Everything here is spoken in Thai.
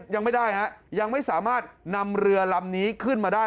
ยังไม่ได้ฮะยังไม่สามารถนำเรือลำนี้ขึ้นมาได้